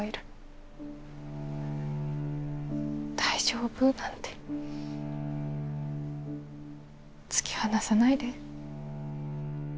大丈夫なんて突き放さないで。